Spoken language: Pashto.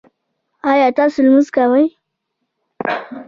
ایا تاسو لمونځ کوئ؟